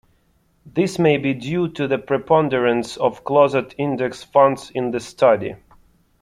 This may be due to the preponderance of closet-index funds in the study.